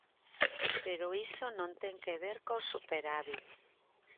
Pero iso non ten que ver co superávit.